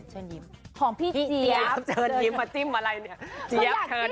เจอนยิ้มคือเจาว์เต็มตีน